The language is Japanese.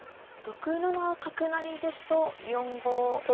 ６七角成ですと４五金と。